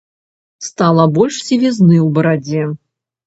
Стала больш сівізны ў барадзе.